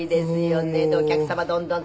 お客様どんどん使うしね。